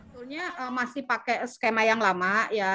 ini adalah skema yang lama